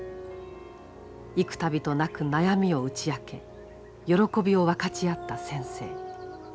幾度となく悩みを打ち明け喜びを分かち合った先生。